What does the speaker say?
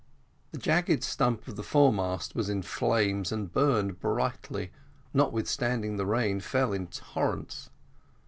The jagged stump of the foremast was in flames, and burned brightly, notwithstanding the rain fell in torrents.